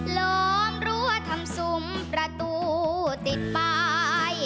โล่งรั่วทำสุมประตูติดไป